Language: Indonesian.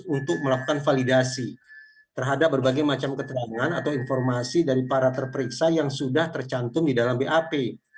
untuk melakukan validasi terhadap berbagai macam keterangan atau informasi dari para terperiksa yang sudah tercantum di dalam bap